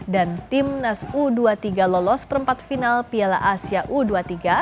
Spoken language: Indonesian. dan timnas u dua puluh tiga lolos perempat final piala asia u dua puluh tiga